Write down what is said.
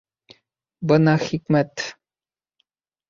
Бына хикмәт!